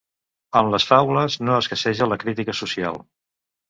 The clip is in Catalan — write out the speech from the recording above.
En les faules no escasseja la crítica social.